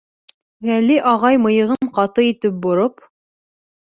Гәли ағай, мыйығын ҡаты итеп бороп: